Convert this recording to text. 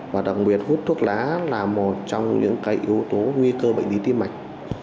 và đặc biệt hút thuốc lá là một trong những cái yếu tố nguy cơ bệnh lý tim mạch